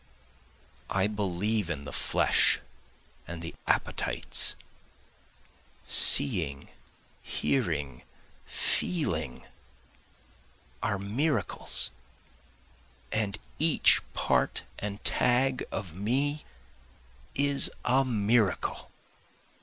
I believe in the flesh and the appetites, Seeing, hearing, feeling, are miracles, and each part and tag of me is a miracle.